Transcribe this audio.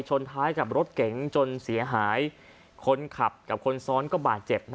ชนท้ายกับรถเก๋งจนเสียหายคนขับกับคนซ้อนก็บาดเจ็บ